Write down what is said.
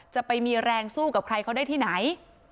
จะไปมีแรงสู้กับใครเขาได้ที่ไหน